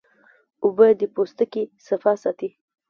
اوبه د پوستکي صفا ساتي